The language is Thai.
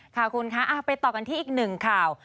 ค่ะคุณคะไปต่อกันที่อีกหนึ่งข่าว